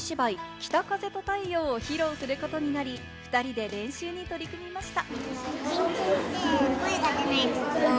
『北風と太陽』を披露することになり、２人で練習に取り組みました。